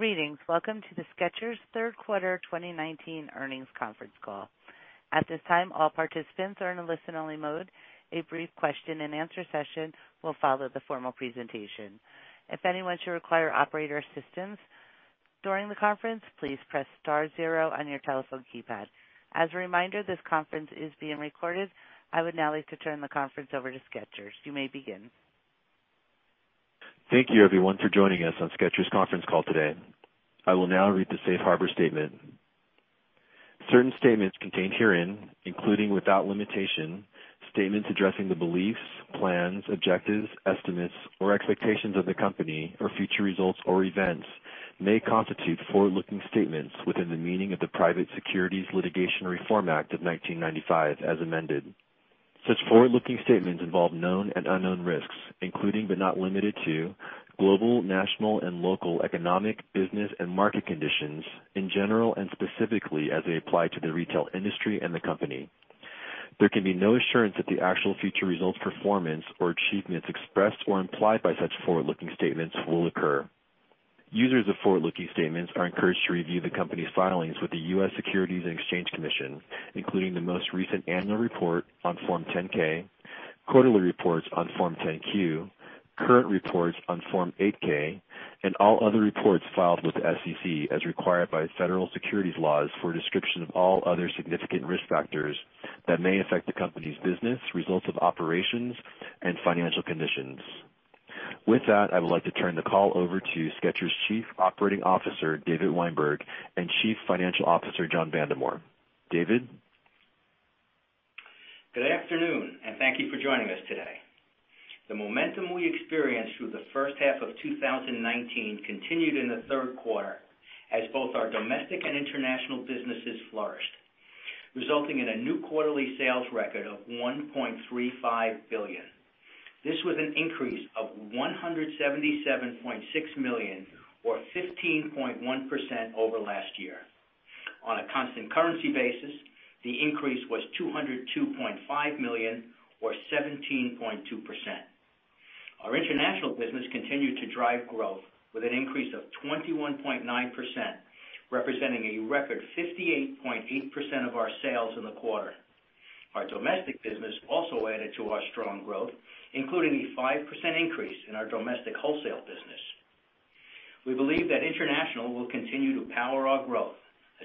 Greetings. Welcome to the Skechers third quarter 2019 earnings conference call. At this time, all participants are in a listen-only mode. A brief question and answer session will follow the formal presentation. If anyone should require operator assistance during the conference, please press star zero on your telephone keypad. As a reminder, this conference is being recorded. I would now like to turn the conference over to Skechers. You may begin. Thank you, everyone, for joining us on Skechers conference call today. I will now read the safe harbor statement. Certain statements contained herein, including without limitation, statements addressing the beliefs, plans, objectives, estimates, or expectations of the company or future results or events may constitute forward-looking statements within the meaning of the Private Securities Litigation Reform Act of 1995 as amended. Such forward-looking statements involve known and unknown risks, including but not limited to global, national, and local economic, business, and market conditions in general and specifically as they apply to the retail industry and the company. There can be no assurance that the actual future results, performance, or achievements expressed or implied by such forward-looking statements will occur. Users of forward-looking statements are encouraged to review the company's filings with the U.S. Securities and Exchange Commission, including the most recent annual report on Form 10-K, quarterly reports on Form 10-Q, current reports on Form 8-K, and all other reports filed with the SEC as required by federal securities laws for a description of all other significant risk factors that may affect the company's business, results of operations, and financial conditions. With that, I would like to turn the call over to Skechers Chief Operating Officer, David Weinberg, and Chief Financial Officer, John Vandemore. David? Good afternoon, and thank you for joining us today. The momentum we experienced through the first half of 2019 continued in the third quarter as both our domestic and international businesses flourished, resulting in a new quarterly sales record of $1.35 billion. This was an increase of $177.6 million, or 15.1% over last year. On a constant currency basis, the increase was $202.5 million, or 17.2%. Our international business continued to drive growth with an increase of 21.9%, representing a record 58.8% of our sales in the quarter. Our domestic business also added to our strong growth, including a 5% increase in our domestic wholesale business. We believe that international will continue to power our growth,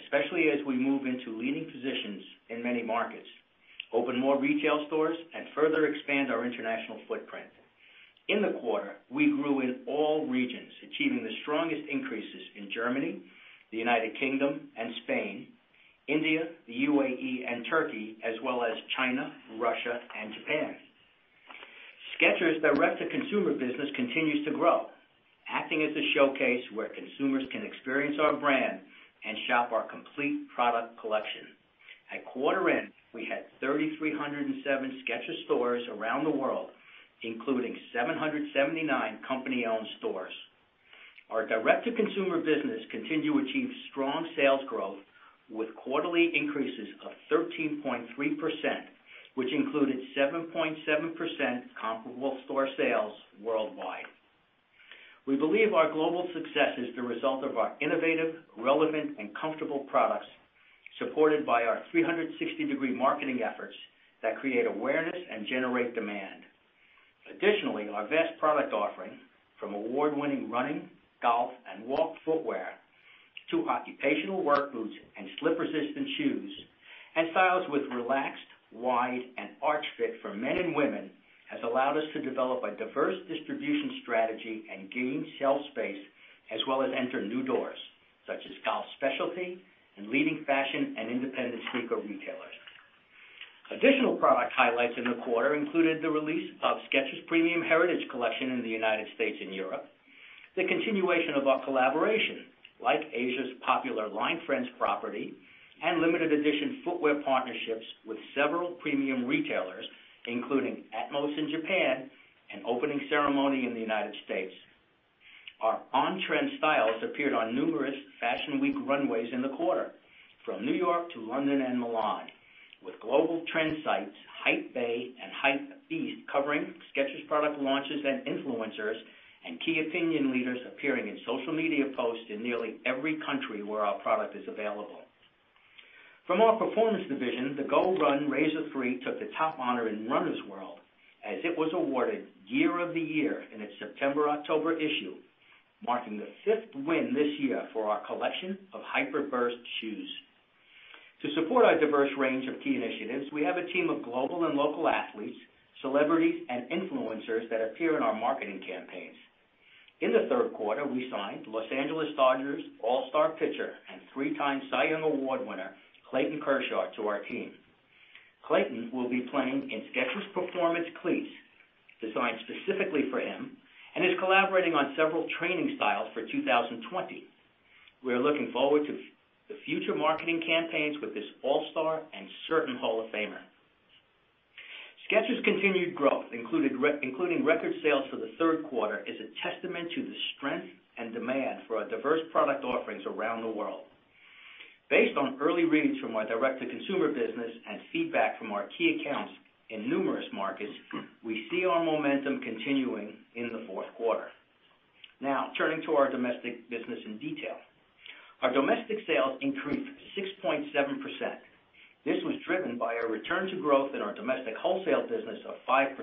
especially as we move into leading positions in many markets, open more retail stores, and further expand our international footprint. In the quarter, we grew in all regions, achieving the strongest increases in Germany, the United Kingdom, and Spain, India, the UAE, and Turkey, as well as China, Russia, and Japan. Skechers direct-to-consumer business continues to grow, acting as a showcase where consumers can experience our brand and shop our complete product collection. At quarter end, we had 3,307 Skechers stores around the world, including 779 company-owned stores. Our direct-to-consumer business continue to achieve strong sales growth with quarterly increases of 13.3%, which included 7.7% comparable store sales worldwide. We believe our global success is the result of our innovative, relevant, and comfortable products, supported by our 360-degree marketing efforts that create awareness and generate demand. Additionally, our vast product offering from award-winning running, golf, and walk footwear to occupational work boots and slip-resistant shoes and styles with relaxed, wide, and Arch Fit for men and women has allowed us to develop a diverse distribution strategy and gain shelf space, as well as enter new doors, such as golf specialty and leading fashion and independent sneaker retailers. Additional product highlights in the quarter included the release of Skechers Premium Heritage Collection in the United States and Europe, the continuation of our collaboration, like Asia's popular LINE FRIENDS property and limited edition footwear partnerships with several premium retailers, including atmos in Japan and Opening Ceremony in the United States. Our on-trend styles appeared on numerous Fashion Week runways in the quarter, from New York to London and Milan, with global trend sites, Hypebae and Hypebeast, covering Skechers product launches and influencers and key opinion leaders appearing in social media posts in nearly every country where our product is available. From our performance division, the GOrun Razor 3 took the top honor in Runner's World as it was awarded Gear of the Year in its September-October issue, marking the fifth win this year for our collection of Hyper Burst shoes. To support our diverse range of key initiatives, we have a team of global and local athletes, celebrities, and influencers that appear in our marketing campaigns. In the third quarter, we signed Los Angeles Dodgers All-Star pitcher and three-time Cy Young Award winner Clayton Kershaw to our team. Clayton will be playing in Skechers Performance cleats designed specifically for him and is collaborating on several training styles for 2020. We are looking forward to the future marketing campaigns with this All-Star and certain Hall of Famer. Skechers' continued growth, including record sales for the third quarter, is a testament to the strength and demand for our diverse product offerings around the world. Based on early readings from our direct-to-consumer business and feedback from our key accounts in numerous markets, we see our momentum continuing in the fourth quarter. Now, turning to our domestic business in detail. Our domestic sales increased 6.7%. This was driven by a return to growth in our domestic wholesale business of 5%,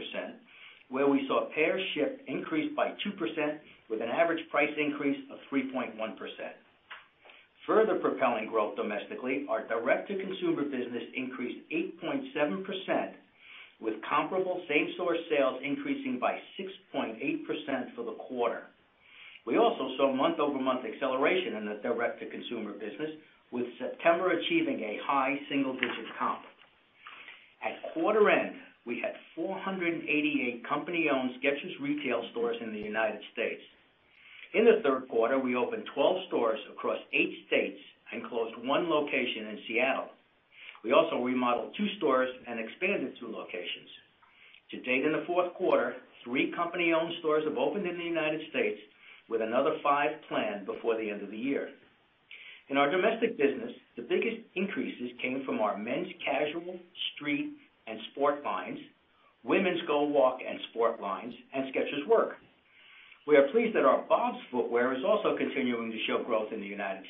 where we saw pairs shipped increase by 2% with an average price increase of 3.1%. Further propelling growth domestically, our direct-to-consumer business increased 8.7%, with comparable same-store sales increasing by 6.8% for the quarter. We also saw month-over-month acceleration in the direct-to-consumer business, with September achieving a high single-digit comp. At quarter end, we had 488 company-owned Skechers retail stores in the U.S. In the third quarter, we opened 12 stores across eight states and closed one location in Seattle. We also remodeled two stores and expanded two locations. To date, in the fourth quarter, three company-owned stores have opened in the U.S. with another five planned before the end of the year. In our domestic business, the biggest increases came from our men's casual, street, and sport lines, women's GO WALK and sport lines, and Skechers Work. We are pleased that our BOBS footwear is also continuing to show growth in the U.S.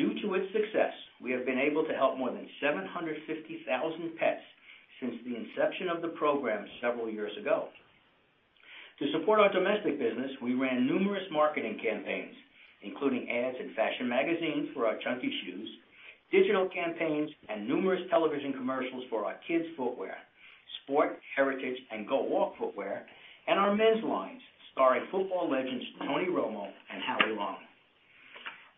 Due to its success, we have been able to help more than 750,000 pets since the inception of the program several years ago. To support our domestic business, we ran numerous marketing campaigns, including ads in fashion magazines for our chunky shoes, digital campaigns, and numerous television commercials for our kids' footwear, sport, heritage, and GO WALK footwear, and our men's lines starring football legends Tony Romo and Howie Long.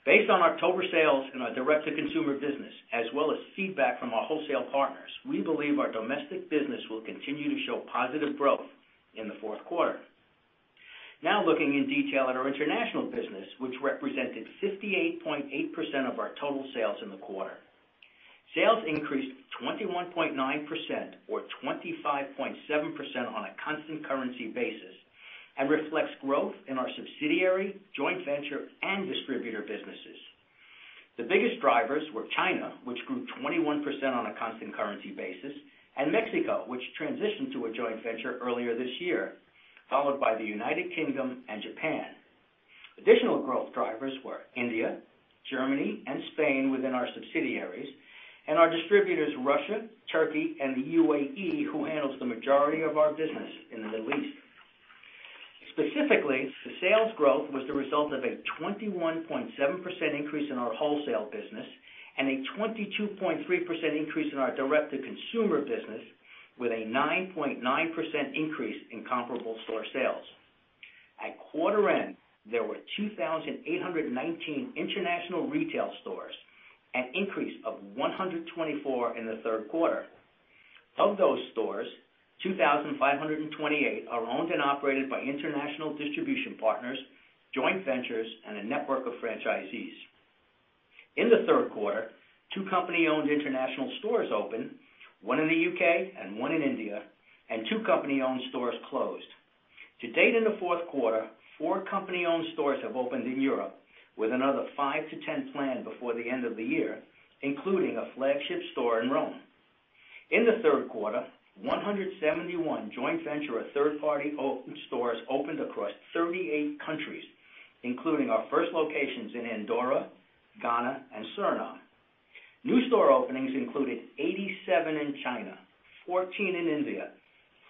Based on October sales in our direct-to-consumer business, as well as feedback from our wholesale partners, we believe our domestic business will continue to show positive growth in the fourth quarter. Now looking in detail at our international business, which represented 58.8% of our total sales in the quarter. Sales increased 21.9% or 25.7% on a constant currency basis and reflects growth in our subsidiary, joint venture, and distributor businesses. The biggest drivers were China, which grew 21% on a constant currency basis, and Mexico, which transitioned to a joint venture earlier this year, followed by the United Kingdom and Japan. Additional growth drivers were India, Germany, and Spain within our subsidiaries, and our distributors Russia, Turkey, and the U.A.E., who handles the majority of our business in the Middle East. Specifically, the sales growth was the result of a 21.7% increase in our wholesale business and a 22.3% increase in our direct-to-consumer business with a 9.9% increase in comparable store sales. At quarter end, there were 2,819 international retail stores, an increase of 124 in the third quarter. Of those stores, 2,528 are owned and operated by international distribution partners, joint ventures, and a network of franchisees. In the third quarter, two company-owned international stores opened, one in the U.K. and one in India, and two company-owned stores closed. To date in the fourth quarter, four company-owned stores have opened in Europe with another five to 10 planned before the end of the year, including a flagship store in Rome. In the third quarter, 171 joint venture or third-party open stores opened across 38 countries, including our first locations in Andorra, Ghana, and Suriname. New store openings included 87 in China, 14 in India,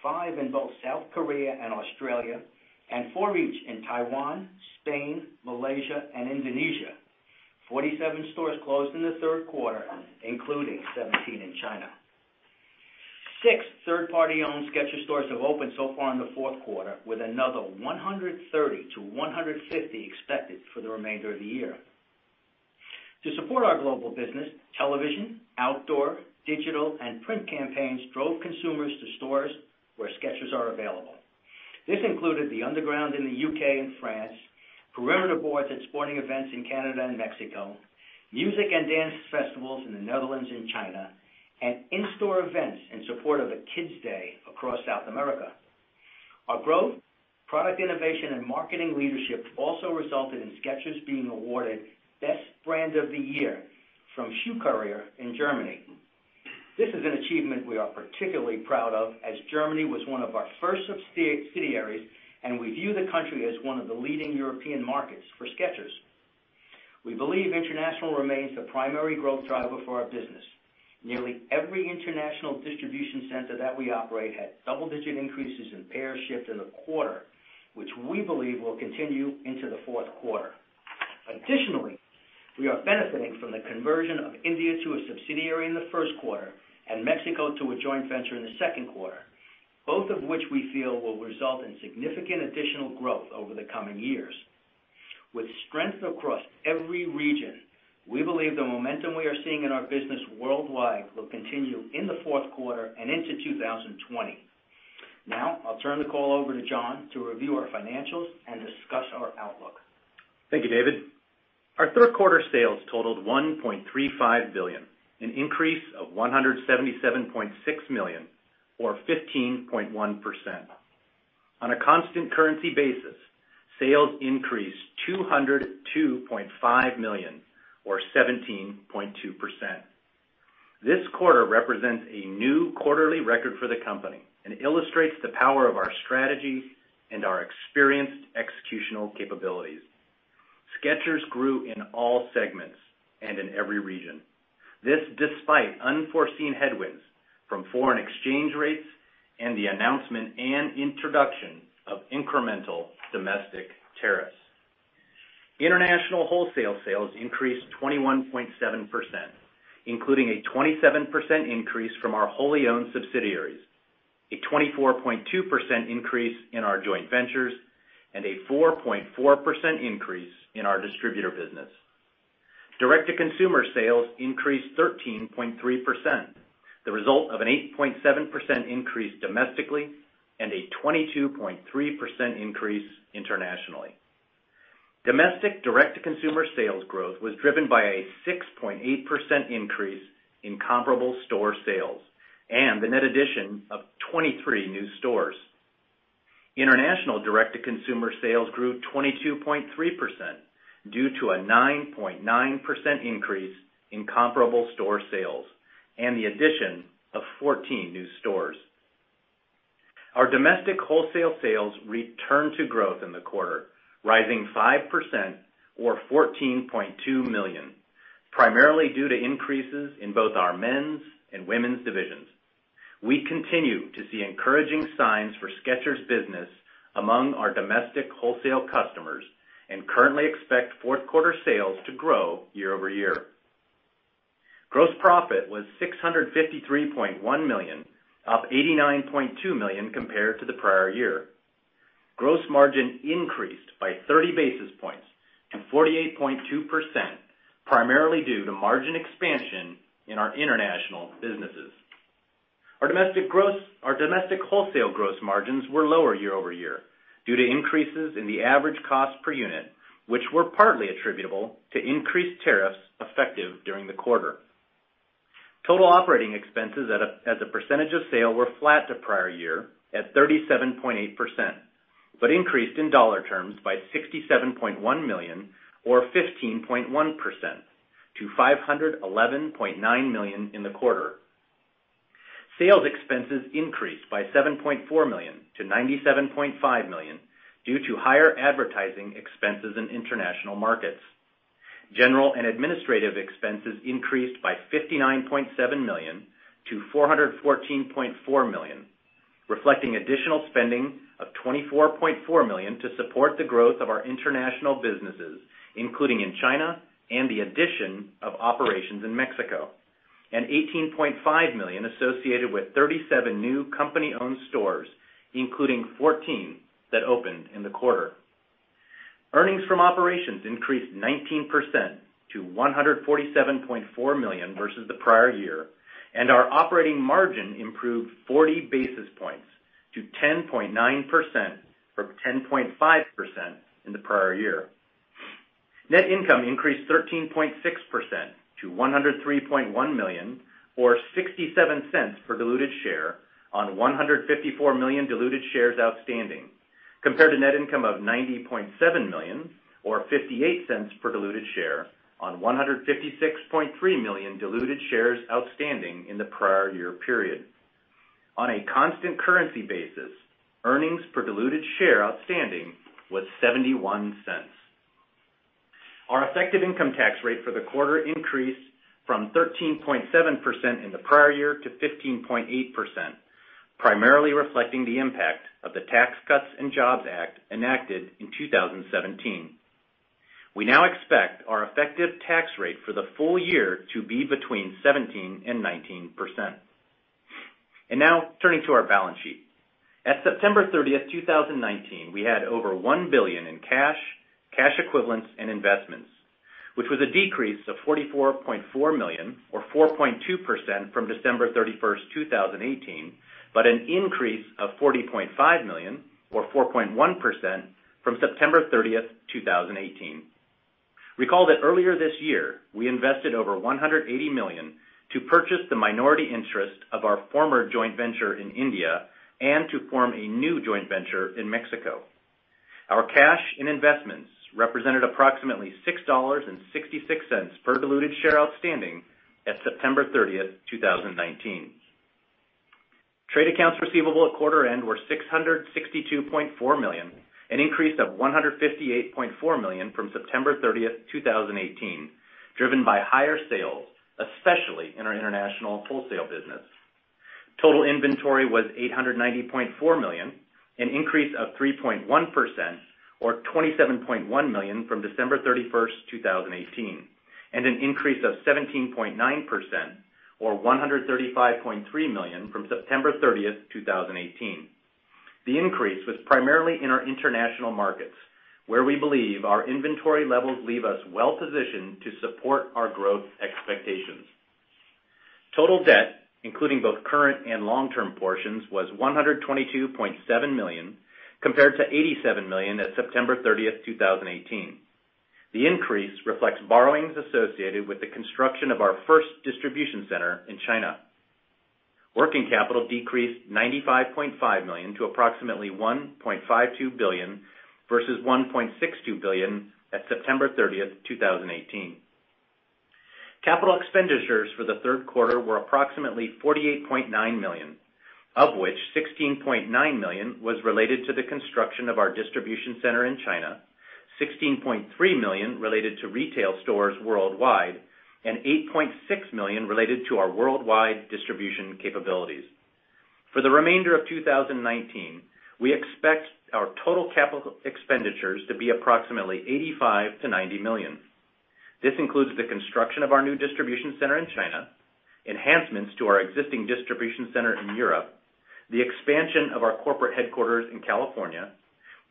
five in both South Korea and Australia, and four each in Taiwan, Spain, Malaysia, and Indonesia. 47 stores closed in the third quarter, including 17 in China. Six third-party owned Skechers stores have opened so far in the fourth quarter, with another 130 to 150 expected for the remainder of the year. To support our global business, television, outdoor, digital, and print campaigns drove consumers to stores where Skechers are available. This included the underground in the U.K. and France, perimeter boards at sporting events in Canada and Mexico, music and dance festivals in the Netherlands and China, and in-store events in support of a kids' day across South America. Our growth, product innovation, and marketing leadership also resulted in Skechers being awarded Best Brand of the Year from Schuhkurier in Germany. This is an achievement we are particularly proud of, as Germany was one of our first subsidiaries, and we view the country as one of the leading European markets for Skechers. We believe international remains the primary growth driver for our business. Nearly every international distribution center that we operate had double-digit increases in pairs shipped in the quarter, which we believe will continue into the fourth quarter. Additionally, we are benefiting from the conversion of India to a subsidiary in the first quarter and Mexico to a joint venture in the second quarter, both of which we feel will result in significant additional growth over the coming years. With strength across every region, we believe the momentum we are seeing in our business worldwide will continue in the fourth quarter and into 2020. Now, I'll turn the call over to John to review our financials and discuss our outlook. Thank you, David. Our third quarter sales totaled $1.35 billion, an increase of $177.6 million or 15.1%. On a constant currency basis, sales increased $202.5 million or 17.2%. This quarter represents a new quarterly record for the company and illustrates the power of our strategy and our experienced executional capabilities. Skechers grew in all segments and in every region. This, despite unforeseen headwinds from foreign exchange rates and the announcement and introduction of incremental domestic tariffs. International wholesale sales increased 21.7%, including a 27% increase from our wholly owned subsidiaries, a 24.2% increase in our joint ventures, and a 4.4% increase in our distributor business. Direct-to-consumer sales increased 13.3%, the result of an 8.7% increase domestically, and a 22.3% increase internationally. Domestic direct-to-consumer sales growth was driven by a 6.8% increase in comparable store sales and the net addition of 23 new stores. International direct-to-consumer sales grew 22.3% due to a 9.9% increase in comparable store sales and the addition of 14 new stores. Our domestic wholesale sales returned to growth in the quarter, rising 5% or $14.2 million, primarily due to increases in both our men's and women's divisions. We continue to see encouraging signs for Skechers business among our domestic wholesale customers and currently expect fourth quarter sales to grow year-over-year. Gross profit was $653.1 million, up $89.2 million compared to the prior year. Gross margin increased by 30 basis points to 48.2%, primarily due to margin expansion in our international businesses. Our domestic wholesale gross margins were lower year-over-year due to increases in the average cost per unit, which were partly attributable to increased tariffs effective during the quarter. Total operating expenses as a percentage of sales were flat to prior year at 37.8%, but increased in dollar terms by $67.1 million or 15.1% to $511.9 million in the quarter. Sales expenses increased by $7.4 million to $97.5 million due to higher advertising expenses in international markets. General and administrative expenses increased by $59.7 million to $414.4 million, reflecting additional spending of $24.4 million to support the growth of our international businesses, including in China and the addition of operations in Mexico, and $18.5 million associated with 37 new company-owned stores, including 14 that opened in the quarter. Earnings from operations increased 19% to $147.4 million versus the prior year, and our operating margin improved 40 basis points to 10.9% from 10.5% in the prior year. Net income increased 13.6% to $103.1 million or $0.67 per diluted share on 154 million diluted shares outstanding, compared to net income of $90.7 million or $0.58 per diluted share on 156.3 million diluted shares outstanding in the prior year period. On a constant currency basis, earnings per diluted share outstanding was $0.71. Our effective income tax rate for the quarter increased from 13.7% in the prior year to 15.8%, primarily reflecting the impact of the Tax Cuts and Jobs Act enacted in 2017. We now expect our effective tax rate for the full year to be between 17% and 19%. Now turning to our balance sheet. At September 30th, 2019, we had over $1 billion in cash equivalents, and investments, which was a decrease of $44.4 million or 4.2% from December 31st, 2018, but an increase of $40.5 million or 4.1% from September 30th, 2018. Recall that earlier this year, we invested over $180 million to purchase the minority interest of our former joint venture in India and to form a new joint venture in Mexico. Our cash in investments represented approximately $6.66 per diluted share outstanding at September 30th, 2019. Trade accounts receivable at quarter end were $662.4 million, an increase of $158.4 million from September 30th, 2018, driven by higher sales, especially in our international wholesale business. Total inventory was $890.4 million, an increase of 3.1% or $27.1 million from December 31st, 2018, and an increase of 17.9% or $135.3 million from September 30th, 2018. The increase was primarily in our international markets, where we believe our inventory levels leave us well positioned to support our growth expectations. Total debt, including both current and long-term portions, was $122.7 million, compared to $87 million at September 30, 2018. The increase reflects borrowings associated with the construction of our first distribution center in China. Working capital decreased $95.5 million to approximately $1.52 billion versus $1.62 billion at September 30, 2018. Capital expenditures for the third quarter were approximately $48.9 million, of which $16.9 million was related to the construction of our distribution center in China, $16.3 million related to retail stores worldwide, and $8.6 million related to our worldwide distribution capabilities. For the remainder of 2019, we expect our total capital expenditures to be approximately $85 million-$90 million. This includes the construction of our new distribution center in China, enhancements to our existing distribution center in Europe, the expansion of our corporate headquarters in California,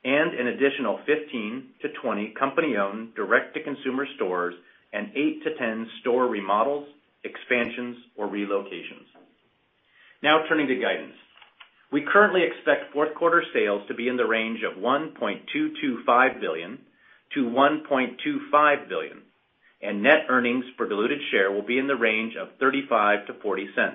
and an additional 15-20 company-owned direct-to-consumer stores and 8-10 store remodels, expansions, or relocations. Now turning to guidance. We currently expect fourth quarter sales to be in the range of $1.225 billion-$1.25 billion, and net earnings per diluted share will be in the range of $0.35-$0.40.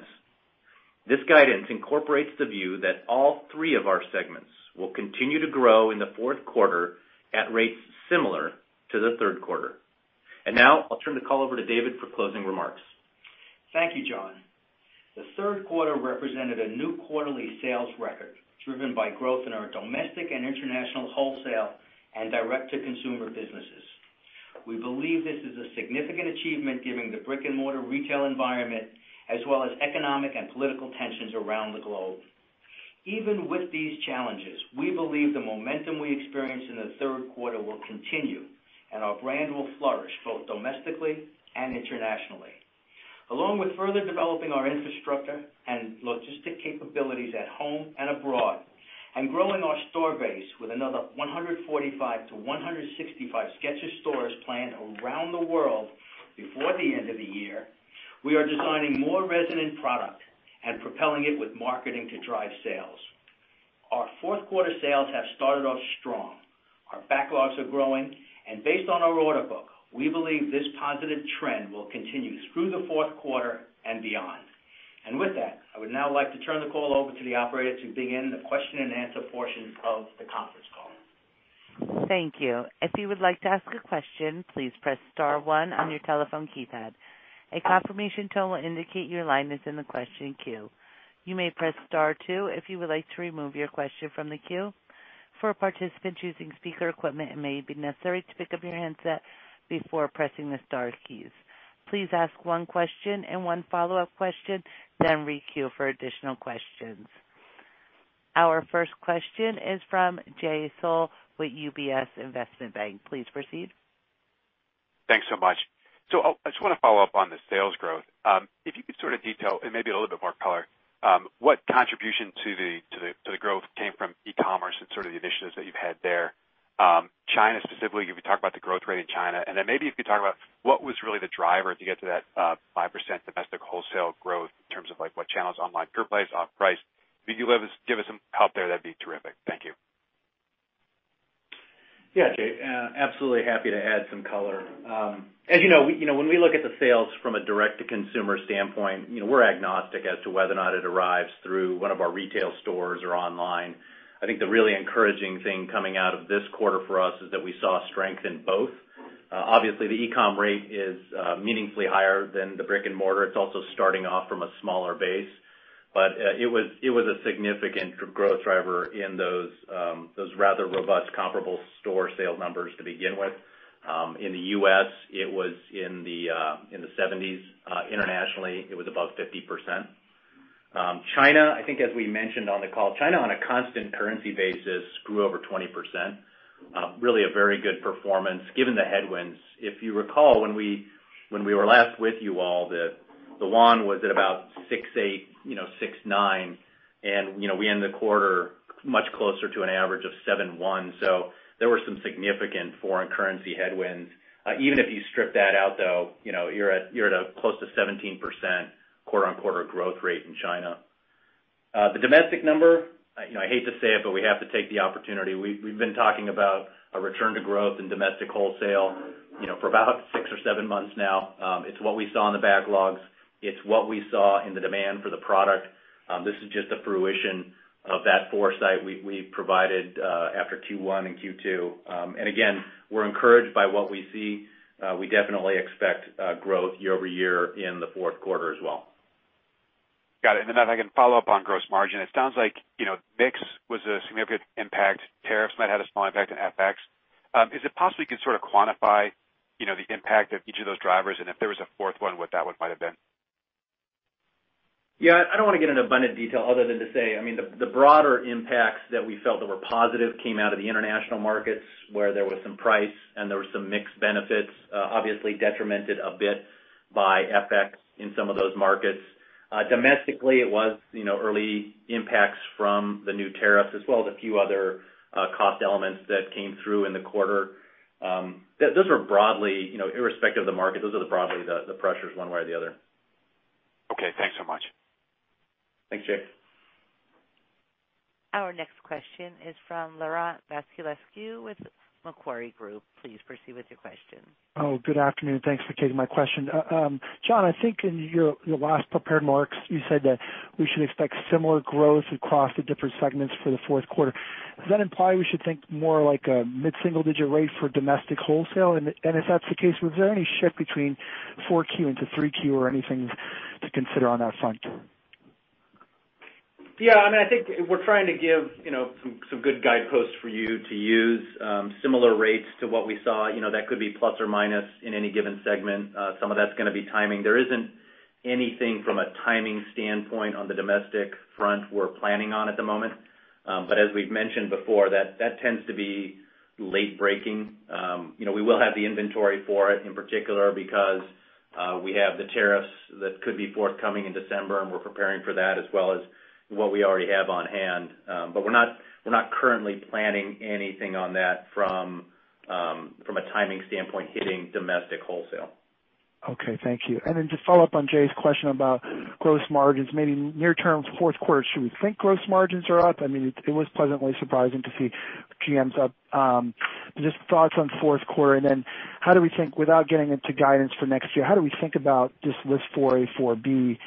This guidance incorporates the view that all three of our segments will continue to grow in the fourth quarter at rates similar to the third quarter. Now I'll turn the call over to David for closing remarks. Thank you, John. The third quarter represented a new quarterly sales record driven by growth in our domestic and international wholesale and direct-to-consumer businesses. We believe this is a significant achievement given the brick-and-mortar retail environment as well as economic and political tensions around the globe. Even with these challenges, we believe the momentum we experience in the third quarter will continue, and our brand will flourish both domestically and internationally. Along with further developing our infrastructure and logistic capabilities at home and abroad, and growing our store base with another 145-165 Skechers stores planned around the world before the end of the year, we are designing more resonant product and propelling it with marketing to drive sales. Our fourth quarter sales have started off strong. Our backlogs are growing, and based on our order book, we believe this positive trend will continue through the fourth quarter and beyond. With that, I would now like to turn the call over to the operator to begin the Question and Answer portion of the conference call. Thank you. If you would like to ask a question, please press star one on your telephone keypad. A confirmation tone will indicate your line is in the question queue. You may press star two if you would like to remove your question from the queue. For participants using speaker equipment, it may be necessary to pick up your handset before pressing the star keys. Please ask one question and one follow-up question, then re-queue for additional questions. Our first question is from Jay Sole with UBS Investment Bank. Please proceed. Thanks so much. I just want to follow up on the sales growth. If you could sort of detail, and maybe a little bit more color, what contribution to the growth came from e-commerce and sort of the initiatives that you've had there? China specifically, if you could talk about the growth rate in China, and then maybe if you could talk about what was really the driver to get to that 5% domestic wholesale growth in terms of what channels online, pure plays, off-price. If you could give us some help there, that'd be terrific. Thank you. Yeah, Jay. Absolutely happy to add some color. As you know, when we look at the sales from a direct-to-consumer standpoint, we're agnostic as to whether or not it arrives through one of our retail stores or online. I think the really encouraging thing coming out of this quarter for us is that we saw strength in both. Obviously, the e-com rate is meaningfully higher than the brick-and-mortar. It's also starting off from a smaller base. It was a significant growth driver in those rather robust comparable store sales numbers to begin with. In the U.S., it was in the 70s. Internationally, it was above 50%. China, I think as we mentioned on the call, China on a constant currency basis grew over 20%, really a very good performance given the headwinds. If you recall, when we were last with you all, the yuan was at about 6.8, 6.9. We end the quarter much closer to an average of 7.1. There were some significant foreign currency headwinds. Even if you strip that out, though, you're at a close to 17% quarter-on-quarter growth rate in China. The domestic number, I hate to say it, we have to take the opportunity. We've been talking about a return to growth in domestic wholesale for about six or seven months now. It's what we saw in the backlogs. It's what we saw in the demand for the product. This is just the fruition of that foresight we provided after Q1 and Q2. Again, we're encouraged by what we see. We definitely expect growth year-over-year in the fourth quarter as well. Got it. If I can follow up on gross margin, it sounds like mix was a significant impact. Tariffs might have a small impact in FX. Is it possible you could sort of quantify the impact of each of those drivers, and if there was a fourth one, what that one might have been? Yeah, I don't want to get into abundant detail other than to say, the broader impacts that we felt that were positive came out of the international markets, where there was some price and there were some mixed benefits, obviously detrimented a bit by FX in some of those markets. Domestically, it was early impacts from the new tariffs as well as a few other cost elements that came through in the quarter. Those are broadly irrespective of the market. Those are the broadly the pressures one way or the other. Okay, thanks so much. Thanks, Jay. Our next question is from Laurent Vasilescu with Macquarie Group. Please proceed with your question. Oh, good afternoon. Thanks for taking my question. John, I think in your last prepared remarks, you said that we should expect similar growth across the different segments for the fourth quarter. Does that imply we should think more like a mid-single-digit rate for domestic wholesale? If that's the case, was there any shift between 4Q into 3Q or anything to consider on that front? Yeah, I think we're trying to give some good guideposts for you to use similar rates to what we saw. That could be plus or minus in any given segment. Some of that's going to be timing. There isn't anything from a timing standpoint on the domestic front we're planning on at the moment. As we've mentioned before, that tends to be late breaking. We will have the inventory for it, in particular because we have the tariffs that could be forthcoming in December, and we're preparing for that as well as what we already have on hand. We're not currently planning anything on that from a timing standpoint hitting domestic wholesale. Okay. Thank you. To follow up on Jay's question about gross margins, maybe near term fourth quarter, should we think gross margins are up? It was pleasantly surprising to see GMs up. Just thoughts on fourth quarter, how do we think, without getting into guidance for next year, how do we think about this List 4A, 4B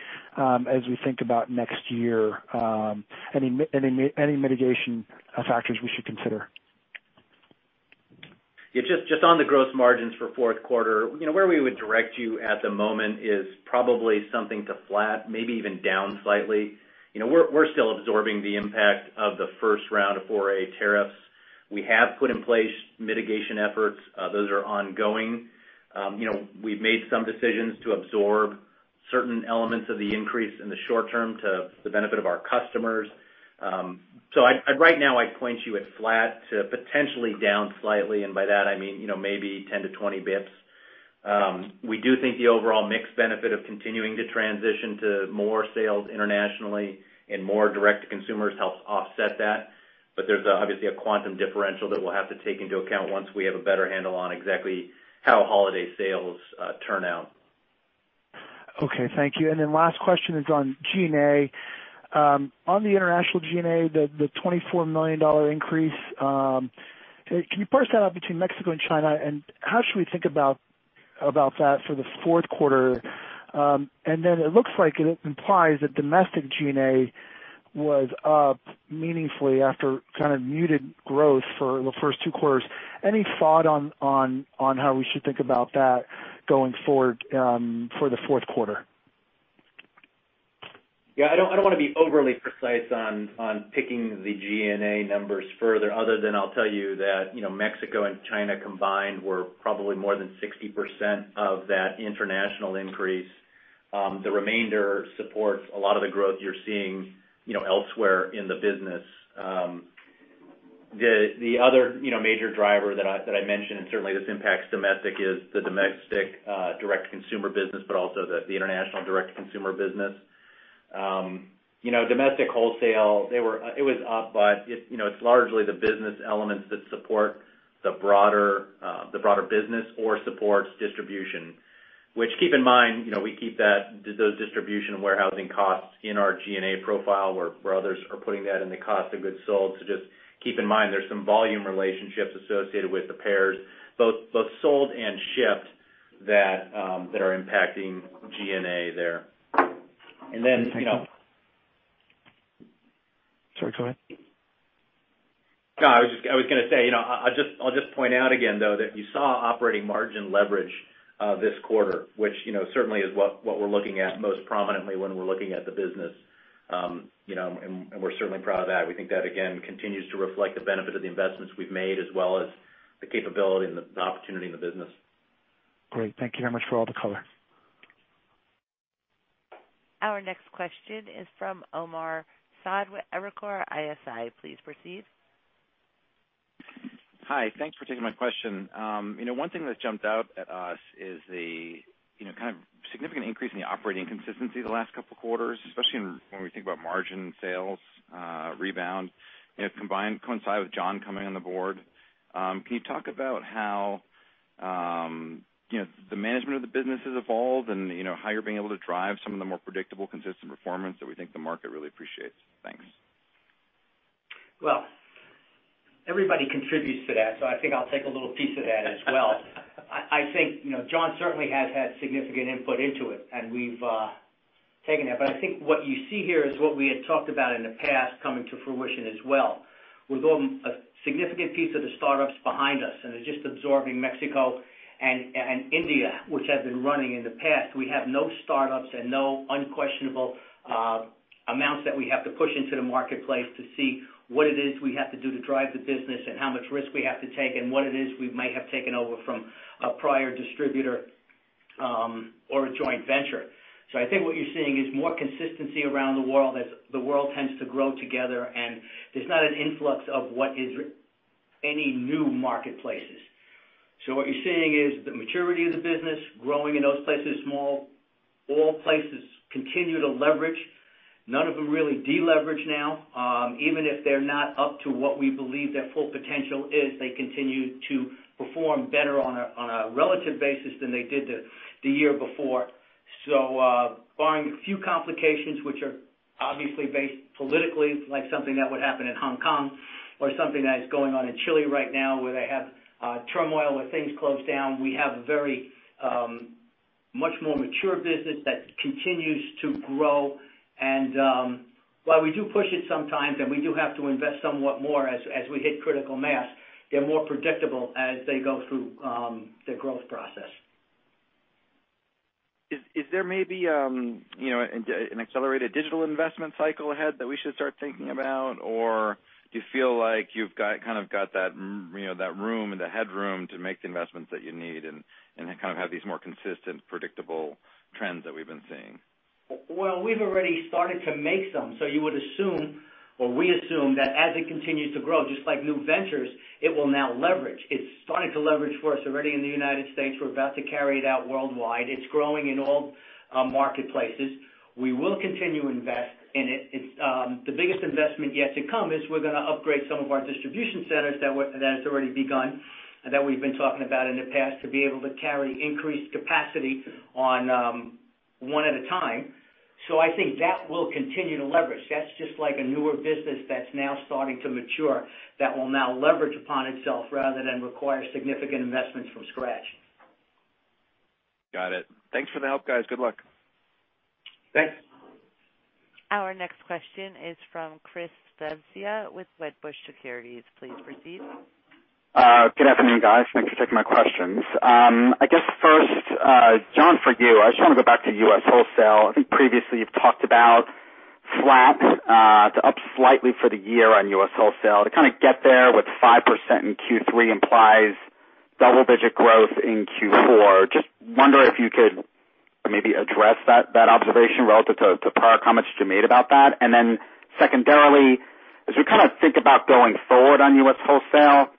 as we think about next year? Any mitigation factors we should consider? Just on the gross margins for fourth quarter. Where we would direct you at the moment is probably something to flat, maybe even down slightly. We're still absorbing the impact of the first round of 4A tariffs. We have put in place mitigation efforts. Those are ongoing. We've made some decisions to absorb certain elements of the increase in the short term to the benefit of our customers. Right now, I'd point you at flat to potentially down slightly, and by that I mean maybe 10-20 bps. We do think the overall mix benefit of continuing to transition to more sales internationally and more direct-to-consumer helps offset that. There's obviously a quantum differential that we'll have to take into account once we have a better handle on exactly how holiday sales turn out. Okay. Thank you. Last question is on G&A. On the international G&A, the $24 million increase. Can you parse that out between Mexico and China, and how should we think about that for the fourth quarter? It looks like it implies that domestic G&A was up meaningfully after kind of muted growth for the first two quarters. Any thought on how we should think about that going forward for the fourth quarter? I don't want to be overly precise on picking the G&A numbers further, other than I'll tell you that Mexico and China combined were probably more than 60% of that international increase. The remainder supports a lot of the growth you're seeing elsewhere in the business. The other major driver that I mentioned, and certainly this impacts domestic, is the domestic direct-to-consumer business, but also the international direct-to-consumer business. Domestic wholesale, it was up, but it's largely the business elements that support the broader business or supports distribution. Which keep in mind, we keep those distribution warehousing costs in our G&A profile, where others are putting that in the cost of goods sold. Just keep in mind, there's some volume relationships associated with the pairs, both sold and shipped, that are impacting G&A there. Sorry, go ahead. No, I was going to say, I'll just point out again, though, that you saw operating margin leverage this quarter, which certainly is what we're looking at most prominently when we're looking at the business. We're certainly proud of that. We think that, again, continues to reflect the benefit of the investments we've made, as well as the capability and the opportunity in the business. Great. Thank you very much for all the color. Our next question is from Omar Saad with Evercore ISI. Please proceed. Hi. Thanks for taking my question. One thing that jumped out at us is the kind of significant increase in the operating consistency the last couple of quarters, especially when we think about margin sales rebound, coincide with John coming on the board. Can you talk about how the management of the business has evolved and how you're being able to drive some of the more predictable, consistent performance that we think the market really appreciates? Thanks. Everybody contributes to that. I think I'll take a little piece of that as well. I think John certainly has had significant input into it. We've taken it. I think what you see here is what we had talked about in the past coming to fruition as well. With a significant piece of the startups behind us and just absorbing Mexico and India, which have been running in the past. We have no startups and no unquestionable amounts that we have to push into the marketplace to see what it is we have to do to drive the business and how much risk we have to take and what it is we might have taken over from a prior distributor or a joint venture. I think what you're seeing is more consistency around the world as the world tends to grow together, and there's not an influx of what is any new marketplaces. What you're seeing is the maturity of the business growing in those places. All places continue to leverage. None of them really de-leverage now. Even if they're not up to what we believe their full potential is, they continue to perform better on a relative basis than they did the year before. Barring a few complications, which are obviously based politically, like something that would happen in Hong Kong or something that is going on in Chile right now, where they have turmoil, where things close down. We have a very much more mature business that continues to grow. While we do push it sometimes, and we do have to invest somewhat more as we hit critical mass, they're more predictable as they go through their growth process. Is there maybe an accelerated digital investment cycle ahead that we should start thinking about? Or do you feel like you've kind of got that room and the headroom to make the investments that you need and then kind of have these more consistent, predictable trends that we've been seeing? We've already started to make some, so you would assume, or we assume, that as it continues to grow, just like new ventures, it will now leverage. It's starting to leverage for us already in the U.S. We're about to carry it out worldwide. It's growing in all marketplaces. We will continue to invest in it. The biggest investment yet to come is we're going to upgrade some of our distribution centers, that has already begun, that we've been talking about in the past, to be able to carry increased capacity on one at a time. I think that will continue to leverage. That's just like a newer business that's now starting to mature, that will now leverage upon itself rather than require significant investments from scratch. Got it. Thanks for the help, guys. Good luck. Thanks. Our next question is from Christopher Svezia with Wedbush Securities. Please proceed. Good afternoon, guys. Thanks for taking my questions. I guess first, John, for you, I just want to go back to U.S. wholesale. I think previously you've talked about flat to up slightly for the year on U.S. wholesale. To kind of get there with 5% in Q3 implies double-digit growth in Q4. Just wonder if you could maybe address that observation relative to par. Comments you made about that. Secondarily, as we think about going forward on U.S. wholesale,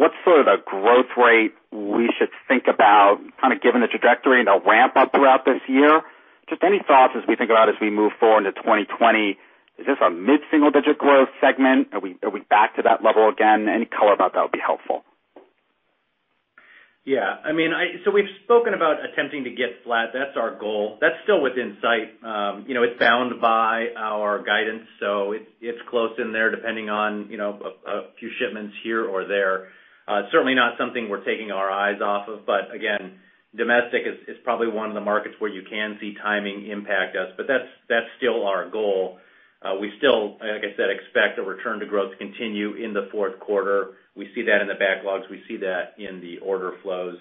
what's sort of the growth rate we should think about, kind of given the trajectory and the ramp up throughout this year? Just any thoughts as we think about as we move forward into 2020, is this a mid-single-digit growth segment? Are we back to that level again? Any color about that would be helpful. We've spoken about attempting to get flat. That's our goal. That's still within sight. It's bound by our guidance, so it's close in there, depending on a few shipments here or there. Certainly not something we're taking our eyes off of, but again, domestic is probably one of the markets where you can see timing impact us, but that's still our goal. We still, like I said, expect the return to growth to continue in the fourth quarter. We see that in the backlogs. We see that in the order flows.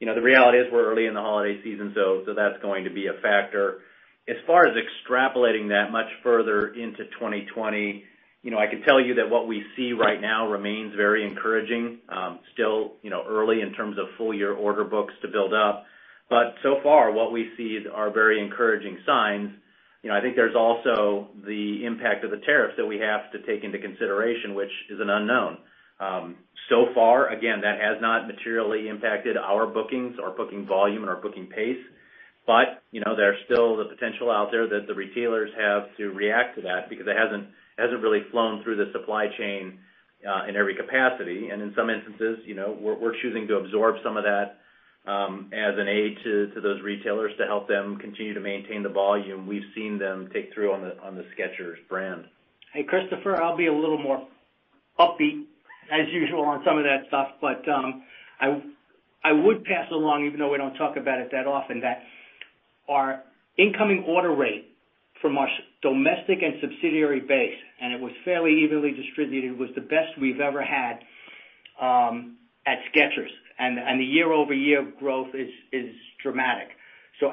The reality is we're early in the holiday season, so that's going to be a factor. As far as extrapolating that much further into 2020, I can tell you that what we see right now remains very encouraging. Still early in terms of full year order books to build up. So far what we see are very encouraging signs. I think there's also the impact of the tariffs that we have to take into consideration, which is an unknown. So far, again, that has not materially impacted our bookings, our booking volume, and our booking pace. There's still the potential out there that the retailers have to react to that because it hasn't really flown through the supply chain, in every capacity. In some instances, we're choosing to absorb some of that as an aid to those retailers to help them continue to maintain the volume we've seen them take through on the Skechers brand. Hey, Christopher, I'll be a little more upbeat as usual on some of that stuff. I would pass along, even though we don't talk about it that often, that our incoming order rate from our domestic and subsidiary base, and it was fairly evenly distributed, was the best we've ever had at Skechers. The year-over-year growth is dramatic.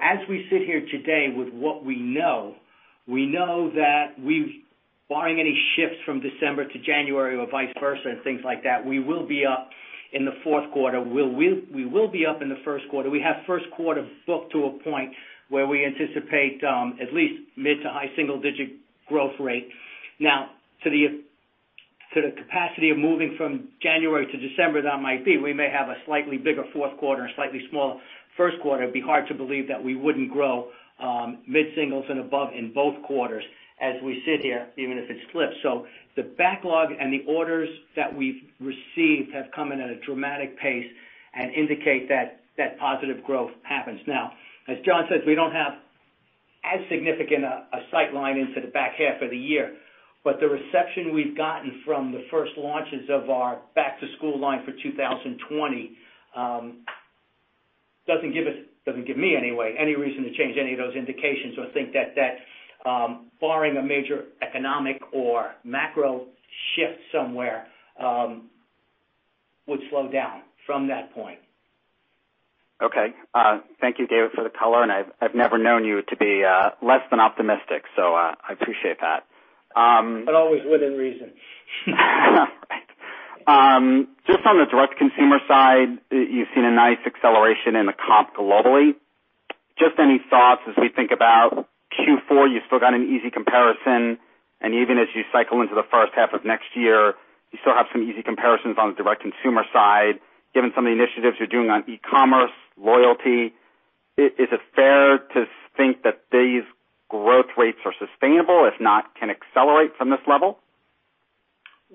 As we sit here today with what we know, we know that barring any shifts from December to January or vice versa and things like that, we will be up in the fourth quarter. We will be up in the first quarter. We have first quarter booked to a point where we anticipate at least mid to high single-digit growth rate. To the capacity of moving from January to December, that might be, we may have a slightly bigger fourth quarter and slightly smaller first quarter. It'd be hard to believe that we wouldn't grow mid-singles and above in both quarters as we sit here, even if it slips. The backlog and the orders that we've received have come in at a dramatic pace and indicate that positive growth happens. As John says, we don't have as significant a sight line into the back half of the year, but the reception we've gotten from the first launches of our back-to-school line for 2020 doesn't give me any reason to change any of those indications or think that barring a major economic or macro shift somewhere, would slow down from that point. Okay. Thank you, David, for the color. I've never known you to be less than optimistic, so I appreciate that. Always within reason. Right. Just on the direct consumer side, you've seen a nice acceleration in the comp globally. Just any thoughts as we think about Q4, you still got an easy comparison, and even as you cycle into the first half of next year, you still have some easy comparisons on the direct consumer side, given some of the initiatives you're doing on e-commerce, loyalty. Is it fair to think that these growth rates are sustainable, if not can accelerate from this level?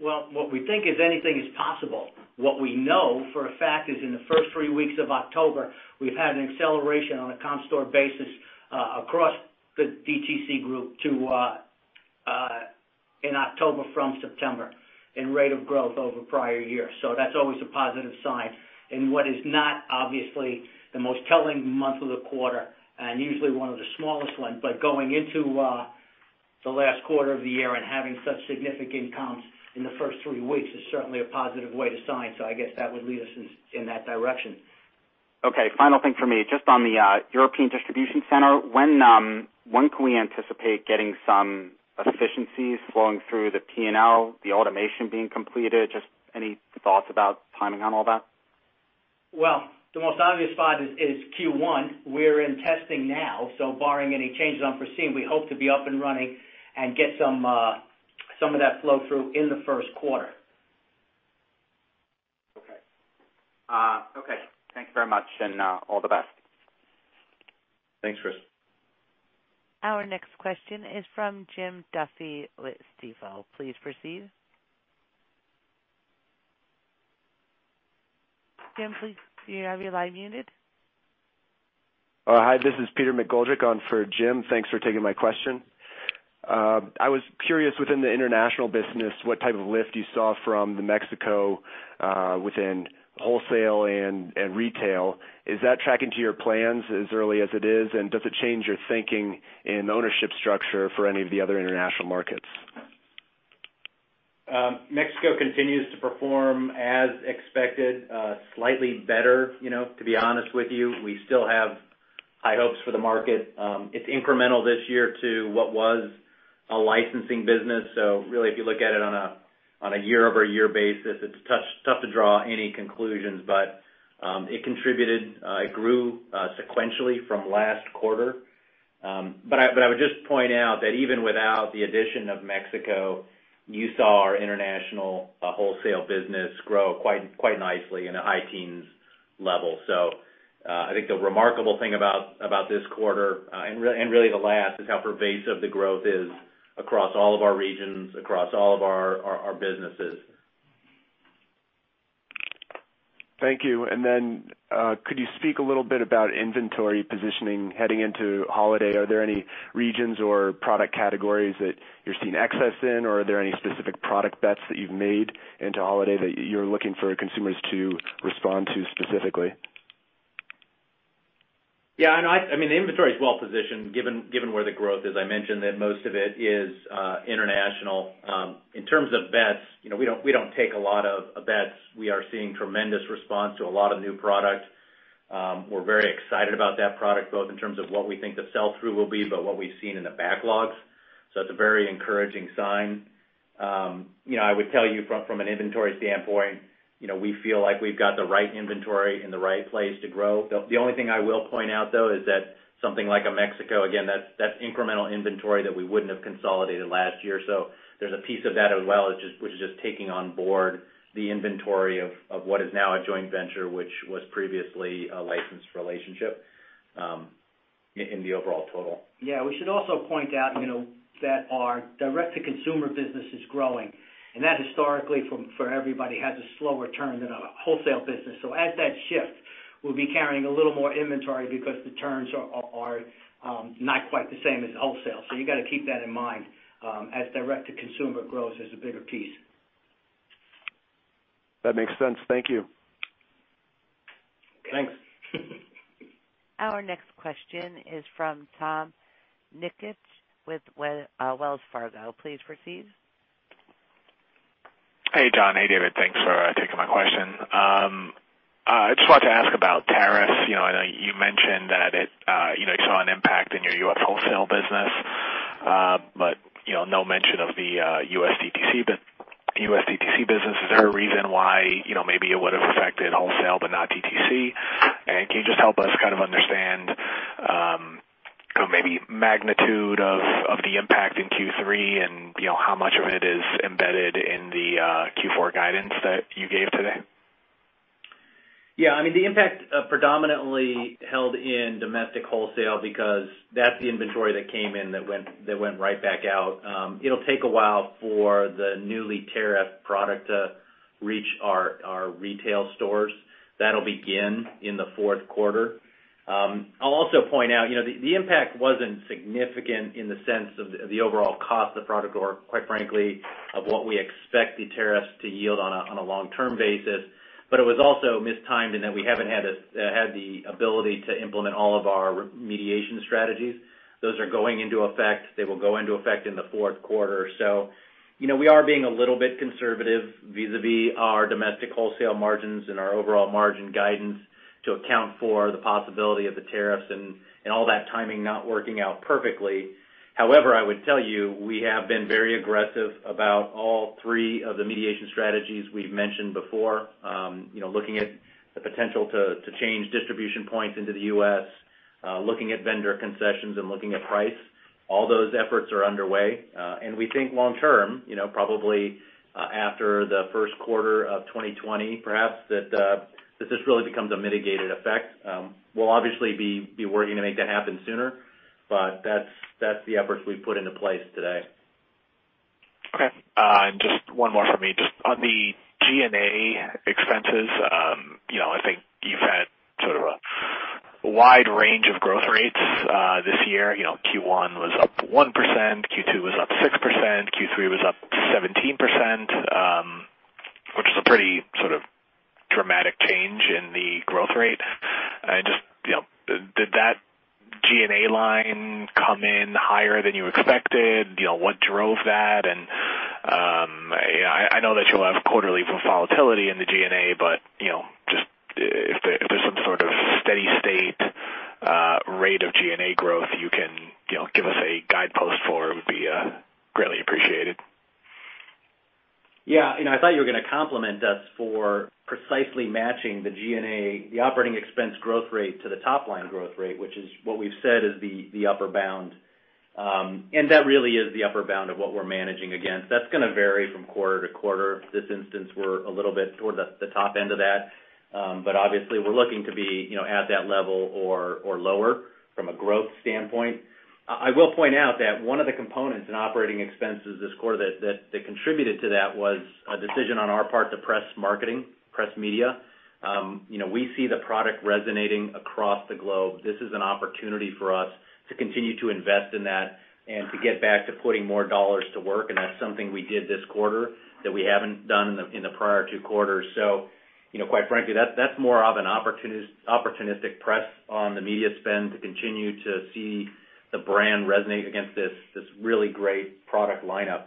Well, what we think is anything is possible. What we know for a fact is in the first three weeks of October, we've had an acceleration on a comp store basis across the DTC group in October from September in rate of growth over prior years. That's always a positive sign in what is not obviously the most telling month of the quarter, and usually one of the smallest ones, but going into the last quarter of the year and having such significant comps in the first three weeks is certainly a positive way to sign. I guess that would lead us in that direction. Okay, final thing for me, just on the European distribution center. When can we anticipate getting some efficiencies flowing through the P&L, the automation being completed? Just any thoughts about timing on all that? Well, the most obvious spot is Q1. Barring any changes unforeseen, we hope to be up and running and get some of that flow-through in the first quarter. Okay. Thanks very much, and all the best. Thanks, Chris. Our next question is from Jim Duffy with Stifel. Please proceed. Jim, please, you have your line muted. Hi, this is Peter McGoldrick on for Jim. Thanks for taking my question. I was curious within the international business, what type of lift you saw from Mexico within wholesale and retail. Is that tracking to your plans as early as it is, and does it change your thinking in ownership structure for any of the other international markets? Mexico continues to perform as expected, slightly better, to be honest with you. We still have high hopes for the market. It's incremental this year to what was a licensing business. Really, if you look at it on a year-over-year basis, it's tough to draw any conclusions. It contributed. It grew sequentially from last quarter. I would just point out that even without the addition of Mexico, you saw our international wholesale business grow quite nicely in a high teens level. I think the remarkable thing about this quarter, and really the last, is how pervasive the growth is across all of our regions, across all of our businesses. Thank you. Then, could you speak a little bit about inventory positioning heading into holiday? Are there any regions or product categories that you're seeing excess in, or are there any specific product bets that you've made into holiday that you're looking for consumers to respond to specifically? Yeah. Inventory is well-positioned given where the growth is. I mentioned that most of it is international. In terms of bets, we don't take a lot of bets. We are seeing tremendous response to a lot of new product. We're very excited about that product, both in terms of what we think the sell-through will be, but what we've seen in the backlogs. It's a very encouraging sign. I would tell you from an inventory standpoint, we feel like we've got the right inventory in the right place to grow. The only thing I will point out, though, is that something like a Mexico, again, that's incremental inventory that we wouldn't have consolidated last year. There's a piece of that as well, which is just taking on board the inventory of what is now a joint venture, which was previously a licensed relationship in the overall total. We should also point out that our direct-to-consumer business is growing, and that historically for everybody has a slower turn than a wholesale business. As that shifts, we'll be carrying a little more inventory because the turns are not quite the same as wholesale. You got to keep that in mind as direct-to-consumer grows as a bigger piece. That makes sense. Thank you. Thanks. Our next question is from Tom Nikic with Wells Fargo. Please proceed. Hey, John. Hey, David. Thanks for taking my question. I just wanted to ask about tariffs. I know you mentioned that you saw an impact in your U.S. wholesale business. No mention of the U.S. DTC business. Is there a reason why maybe it would have affected wholesale but not DTC? Can you just help us kind of understand maybe magnitude of the impact in Q3 and how much of it is embedded in the Q4 guidance that you gave today? Yeah. The impact predominantly held in domestic wholesale because that's the inventory that came in that went right back out. It'll take a while for the newly tariffed product to reach our retail stores. That'll begin in the fourth quarter. I'll also point out, the impact wasn't significant in the sense of the overall cost of the product or quite frankly, of what we expect the tariffs to yield on a long-term basis. It was also mistimed in that we haven't had the ability to implement all of our remediation strategies. Those are going into effect. They will go into effect in the fourth quarter. We are being a little bit conservative vis-a-vis our domestic wholesale margins and our overall margin guidance to account for the possibility of the tariffs and all that timing not working out perfectly. However, I would tell you, we have been very aggressive about all three of the remediation strategies we've mentioned before. Looking at the potential to change distribution points into the U.S., looking at vendor concessions, and looking at price. All those efforts are underway. We think long term, probably after the first quarter of 2020, perhaps, that this really becomes a mitigated effect. We'll obviously be working to make that happen sooner. That's the efforts we've put into place today. Okay. Just one more from me. Just on the G&A expenses, I think you've had sort of a wide range of growth rates, this year. Q1 was up 1%, Q2 was up 6%, Q3 was up 17%, which is a pretty sort of dramatic change in the growth rate. Did that G&A line come in higher than you expected? What drove that? I know that you'll have quarterly volatility in the G&A, but if there's some sort of steady state rate of G&A growth you can give us a guidepost for, it would be greatly appreciated. I thought you were going to compliment us for precisely matching the G&A, the operating expense growth rate to the top line growth rate, which is what we've said is the upper bound. That really is the upper bound of what we're managing against. That's going to vary from quarter to quarter. This instance, we're a little bit toward the top end of that. Obviously, we're looking to be at that level or lower from a growth standpoint. I will point out that one of the components in operating expenses this quarter that contributed to that was a decision on our part to press marketing, press media. We see the product resonating across the globe. This is an opportunity for us to continue to invest in that and to get back to putting more dollars to work, and that's something we did this quarter that we haven't done in the prior two quarters. Quite frankly, that's more of an opportunistic press on the media spend to continue to see the brand resonate against this really great product lineup.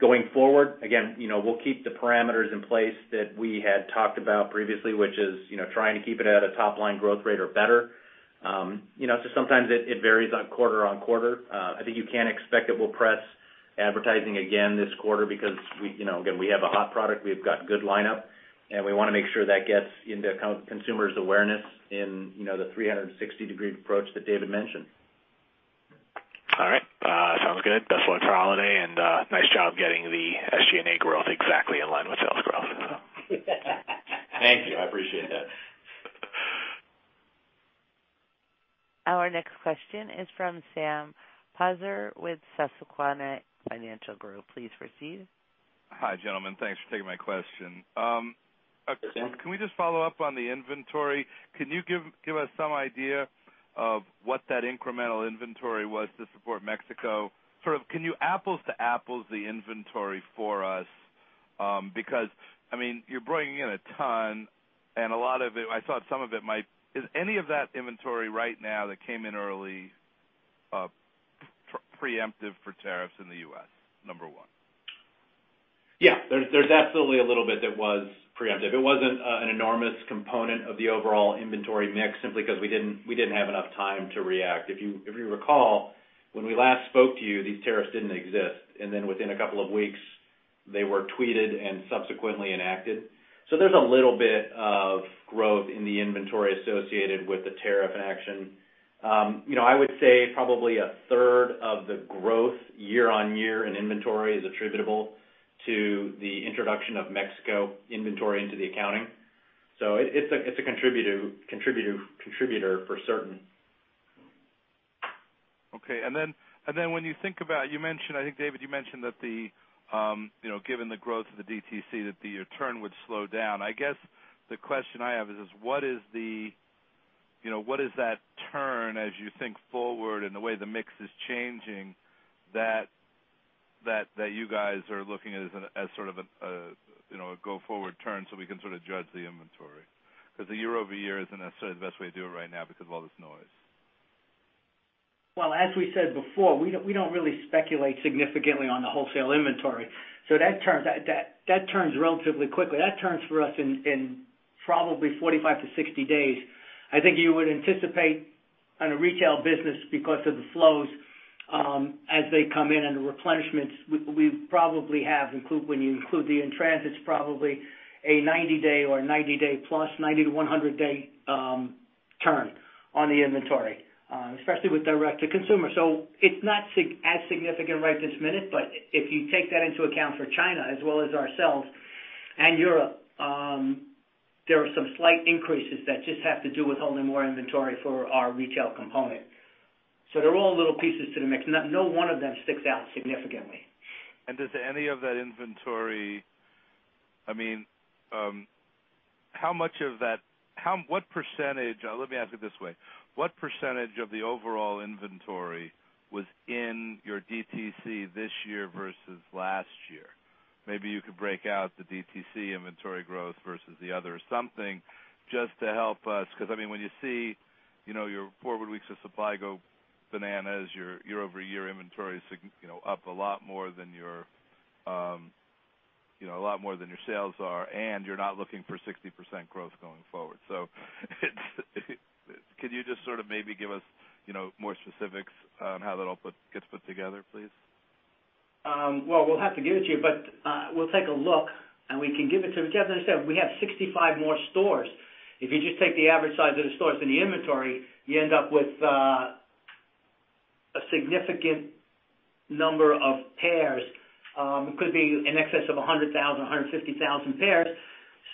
Going forward, again, we'll keep the parameters in place that we had talked about previously, which is, trying to keep it at a top-line growth rate or better. Sometimes it varies on quarter-on-quarter. I think you can expect that we'll press advertising again this quarter because, again, we have a hot product, we've got good lineup, and we want to make sure that gets into consumers' awareness in the 360-degree approach that David mentioned. All right. Sounds good. Best of luck for holiday, and nice job getting the SG&A growth exactly in line with sales growth. Thank you. I appreciate that. Our next question is from Sam Poser with Susquehanna Financial Group. Please proceed. Hi, gentlemen. Thanks for taking my question. Hi, Sam. Can we just follow up on the inventory? Can you give us some idea of what that incremental inventory was to support Mexico? Can you apples to apples the inventory for us? You're bringing in a ton. Is any of that inventory right now that came in early preemptive for tariffs in the U.S.? Number one. There's absolutely a little bit that was preemptive. It wasn't an enormous component of the overall inventory mix, simply because we didn't have enough time to react. If you recall, when we last spoke to you, these tariffs didn't exist. Within a couple of weeks, they were tweeted and subsequently enacted. There's a little bit of growth in the inventory associated with the tariff action. I would say probably a third of the growth year-on-year in inventory is attributable to the introduction of Mexico inventory into the accounting. It's a contributor for certain. Okay. When you think about, I think, David, you mentioned that given the growth of the DTC, that your turn would slow down. I guess the question I have is, what is that turn as you think forward and the way the mix is changing, that you guys are looking at as a go-forward turn so we can sort of judge the inventory? Because the year-over-year isn't necessarily the best way to do it right now because of all this noise. Well, as we said before, we don't really speculate significantly on the wholesale inventory. That turns relatively quickly. That turns for us in probably 45 to 60 days. I think you would anticipate on a retail business because of the flows, as they come in and the replenishments, we probably have, when you include the in-transits, probably a 90-day or 90-day plus, 90 to 100-day turn on the inventory, especially with direct -to-consumer. It's not as significant right this minute, but if you take that into account for China as well as ourselves and Europe, there are some slight increases that just have to do with holding more inventory for our retail component. They're all little pieces to the mix. No one of them sticks out significantly. Let me ask it this way, what percentage of the overall inventory was in your DTC this year versus last year? Maybe you could break out the DTC inventory growth versus the other. Something just to help us, because when you see your forward weeks of supply go bananas, your year-over-year inventory is up a lot more than your sales are, and you're not looking for 60% growth going forward. Can you just sort of maybe give us more specifics on how that all gets put together, please? We'll have to give it to you, but we'll take a look, and we can give it to you. As I said, we have 65 more stores. If you just take the average size of the stores and the inventory, you end up with a significant number of pairs. It could be in excess of 100,000, 150,000 pairs.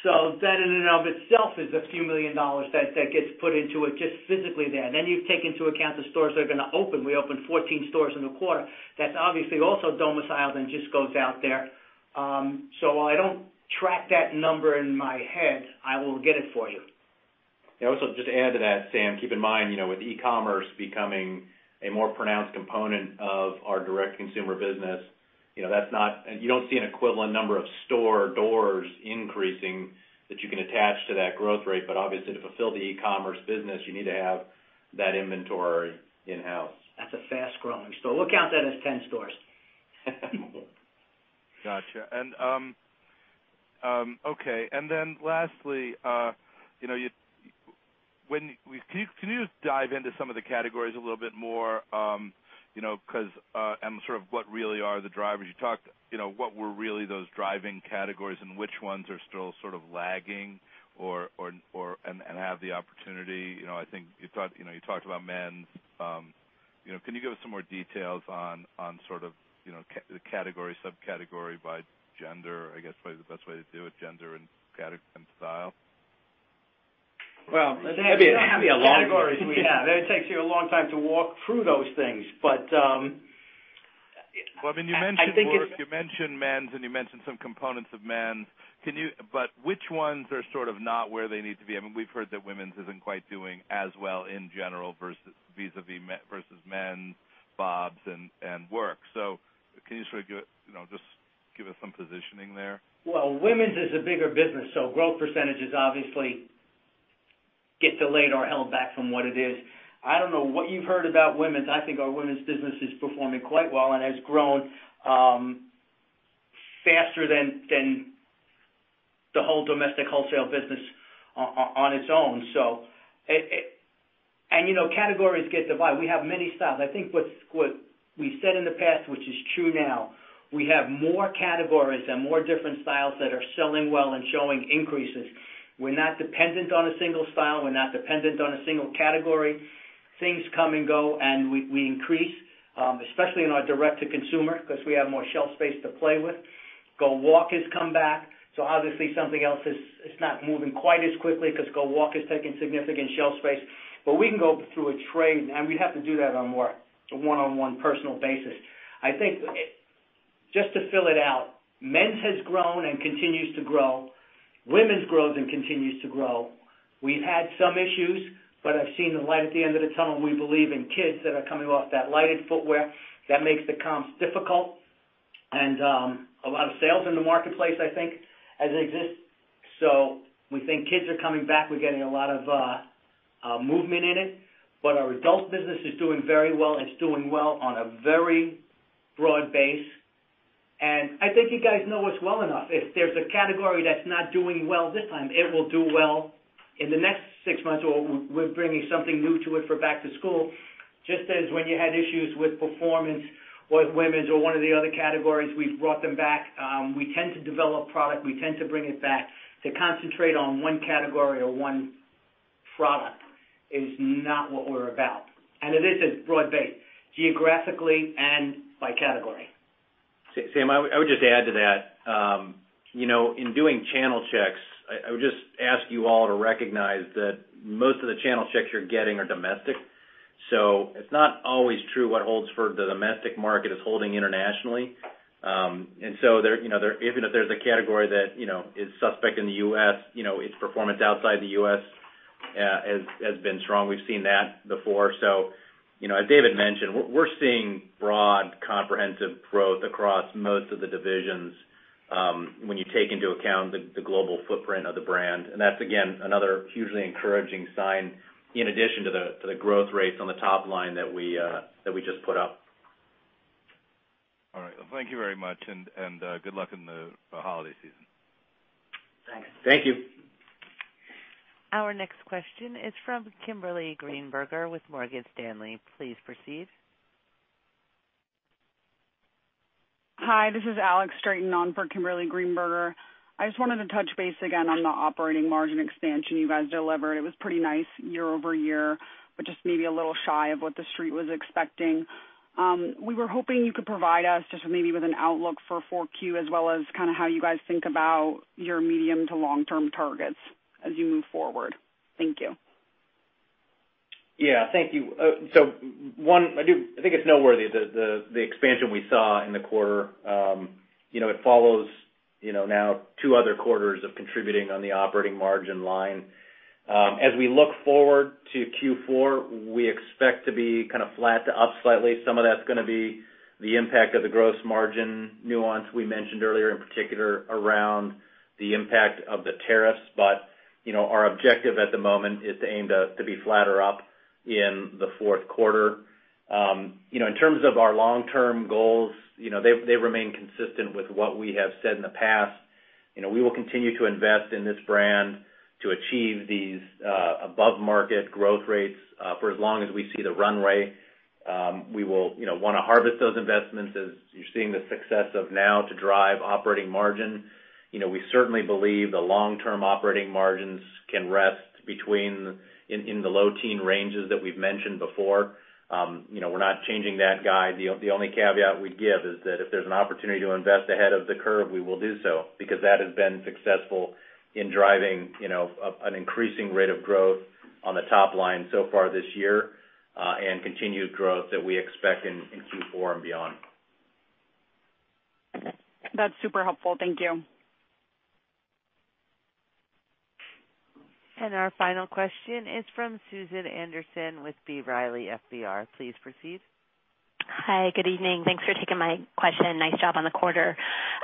That in and of itself is a few million dollars that gets put into it, just physically there. You take into account the stores that are going to open. We opened 14 stores in the quarter. That's obviously also domiciled and just goes out there. I don't track that number in my head. I will get it for you. Also, just to add to that, Sam, keep in mind, with e-commerce becoming a more pronounced component of our direct-to-consumer business, you don't see an equivalent number of store doors increasing that you can attach to that growth rate. Obviously, to fulfill the e-commerce business, you need to have that inventory in-house. That's a fast-growing store. We'll count that as 10 stores. Got you. Okay, lastly, can you just dive into some of the categories a little bit more? Sort of what really are the drivers? You talked what were really those driving categories and which ones are still sort of lagging and have the opportunity. I think you talked about men's. Can you give us some more details on sort of, the category, subcategory by gender, I guess probably the best way to do it, gender and style? Well- That'd be a long list. Categories we have. It takes you a long time to walk through those things. Well, you mentioned Work, you mentioned men's, and you mentioned some components of men's. Which ones are sort of not where they need to be? I mean, we've heard that women's isn't quite doing as well in general vis-a-vis versus men's, BOBS and Work. Can you sort of just give us some positioning there? Well, women's is a bigger business, so growth percentages obviously get delayed or held back from what it is. I don't know what you've heard about women's. I think our women's business is performing quite well and has grown faster than the whole domestic wholesale business on its own. Categories get divided. We have many styles. I think what we said in the past, which is true now, we have more categories and more different styles that are selling well and showing increases. We're not dependent on a single style. We're not dependent on a single category. Things come and go, and we increase. Especially in our direct-to-consumer because we have more shelf space to play with. GO WALK has come back. Obviously something else is not moving quite as quickly because GO WALK is taking significant shelf space. We can go through a trade, and we'd have to do that on a more one-on-one personal basis. I think just to fill it out, men's has grown and continues to grow. Women's grows and continues to grow. We've had some issues, but I've seen the light at the end of the tunnel. We believe in kids that are coming off that lighted footwear. That makes the comps difficult and a lot of sales in the marketplace, I think, as it exists. We think kids are coming back. We're getting a lot of movement in it. Our adult business is doing very well, and it's doing well on a very broad base. I think you guys know us well enough. If there's a category that's not doing well this time, it will do well in the next six months, or we're bringing something new to it for back to school. Just as when you had issues with performance with women's or one of the other categories, we've brought them back. We tend to develop product. We tend to bring it back. To concentrate on one category or one product is not what we're about. It is as broad-based geographically and by category. Sam, I would just add to that. In doing channel checks, I would just ask you all to recognize that most of the channel checks you're getting are domestic. It's not always true what holds for the domestic market is holding internationally. Even if there's a category that is suspect in the U.S., its performance outside the U.S. has been strong. We've seen that before. As David mentioned, we're seeing broad comprehensive growth across most of the divisions when you take into account the global footprint of the brand. That's again, another hugely encouraging sign in addition to the growth rates on the top line that we just put up. All right. Well, thank you very much, and good luck in the holiday season. Thanks. Thank you. Our next question is from Kimberly Greenberger with Morgan Stanley. Please proceed. Hi, this is Alex Straton on for Kimberly Greenberger. I just wanted to touch base again on the operating margin expansion you guys delivered. It was pretty nice year-over-year, but just maybe a little shy of what the Street was expecting. We were hoping you could provide us just maybe with an outlook for 4Q as well as kind of how you guys think about your medium to long-term targets as you move forward. Thank you. Yeah. Thank you. One, I think it's noteworthy the expansion we saw in the quarter. It follows now two other quarters of contributing on the operating margin line. As we look forward to Q4, we expect to be kind of flat to up slightly. Some of that's going to be the impact of the gross margin nuance we mentioned earlier, in particular, around the impact of the tariffs. Our objective at the moment is to aim to be flat or up in the fourth quarter. In terms of our long-term goals, they remain consistent with what we have said in the past. We will continue to invest in this brand to achieve these above market growth rates for as long as we see the runway. We will want to harvest those investments as you're seeing the success of now to drive operating margin. We certainly believe the long-term operating margins can rest in the low teen ranges that we've mentioned before. We're not changing that guide. The only caveat we'd give is that if there's an opportunity to invest ahead of the curve, we will do so, because that has been successful in driving an increasing rate of growth on the top line so far this year, and continued growth that we expect in Q4 and beyond. That's super helpful. Thank you. Our final question is from Susan Anderson with B. Riley FBR. Please proceed. Hi, good evening. Thanks for taking my question. Nice job on the quarter.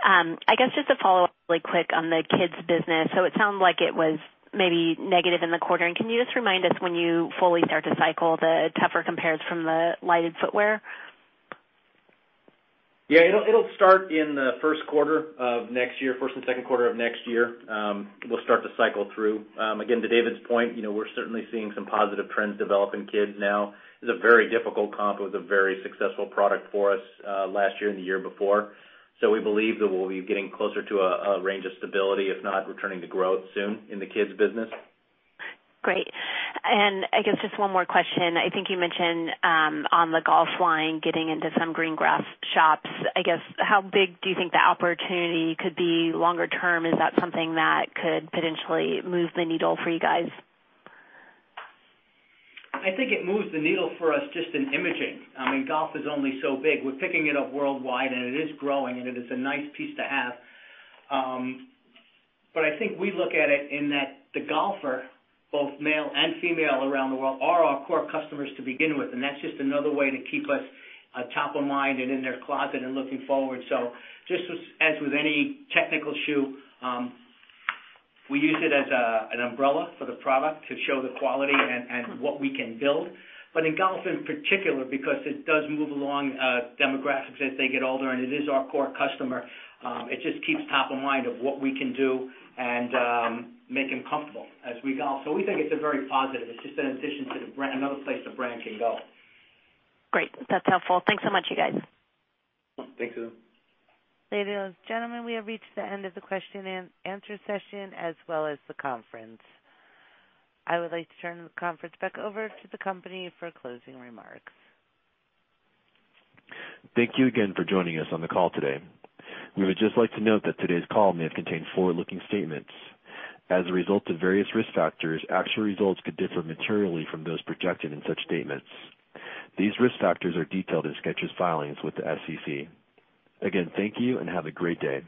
I guess just to follow up really quick on the kids business. It sounds like it was maybe negative in the quarter. Can you just remind us when you fully start to cycle the tougher compares from the lighted footwear? Yeah, it'll start in the first quarter of next year, first and second quarter of next year. We'll start to cycle through. Again, to David's point, we're certainly seeing some positive trends develop in kids now. It's a very difficult comp. It was a very successful product for us last year and the year before. We believe that we'll be getting closer to a range of stability, if not returning to growth soon in the kids business. Great. I guess just one more question. I think you mentioned on the golf line getting into some green grass shops. I guess how big do you think the opportunity could be longer term? Is that something that could potentially move the needle for you guys? I think it moves the needle for us just in imaging. I mean, golf is only so big. We're picking it up worldwide, and it is growing, and it is a nice piece to have. I think we look at it in that the golfer, both male and female around the world, are our core customers to begin with, and that's just another way to keep us top of mind and in their closet and looking forward. Just as with any technical shoe, we use it as an umbrella for the product to show the quality and what we can build. In golf in particular, because it does move along demographics as they get older, and it is our core customer, it just keeps top of mind of what we can do and make him comfortable as we golf. We think it's a very positive. It's just an addition to another place the brand can go. Great. That's helpful. Thanks so much, you guys. Thanks, Susan. Ladies and gentlemen, we have reached the end of the question and answer session, as well as the conference. I would like to turn the conference back over to the company for closing remarks. Thank you again for joining us on the call today. We would just like to note that today's call may have contained forward-looking statements. As a result of various risk factors, actual results could differ materially from those projected in such statements. These risk factors are detailed in Skechers' filings with the SEC. Again, thank you, and have a great day.